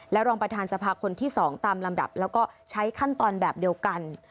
รองประธานสภาคนที่๒ตามลำดับแล้วก็ใช้ขั้นตอนแบบเดียวกัน